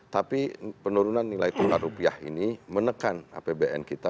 tapi penurunan nilai tukar rupiah ini menekan apbn kita